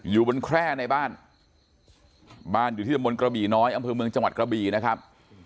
อยู่บนแคร่ในบ้านบ้านอยู่ที่ตะมนต์กระบี่น้อยอำเภอเมืองจังหวัดกระบี่นะครับ